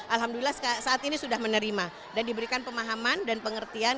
alhamdulillah saat ini sudah menerima dan diberikan pemahaman dan pengertian